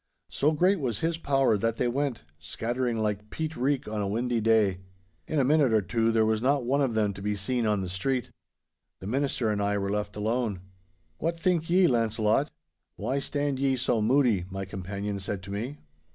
So great was his power that they went, scattering like peet reek on a windy day. In a minute or two there was not one of them to be seen on the street. The minister and I were left alone. 'What think ye, Launcelot? Why stand ye so moody?' my companion said to me.